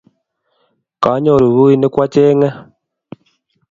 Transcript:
Kanyoru pukuit ne kwacheng'e